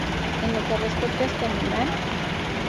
En lo que respecta a este animal.